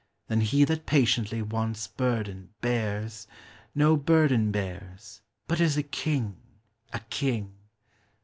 Then he that patiently want's burden bears No burden bears, but is a king, a kiDg